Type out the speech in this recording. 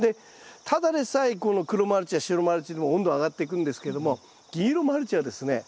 ただでさえこの黒マルチや白マルチでも温度が上がっていくんですけども銀色マルチはですね